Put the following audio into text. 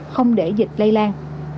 không để dịch lây lan